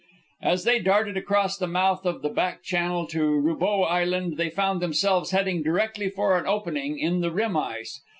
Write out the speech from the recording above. As they darted across the mouth of the back channel to Roubeau Island they found themselves heading directly for an opening in the rim ice.